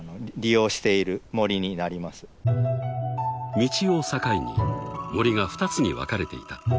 ［道を境に森が２つに分かれていた］